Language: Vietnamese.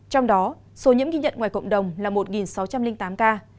trong đó số nhiễm ghi nhận ngoài cộng đồng là một sáu trăm linh tám ca